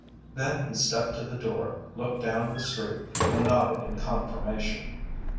Then he stepped to the door, looked down the street, and nodded in confirmation.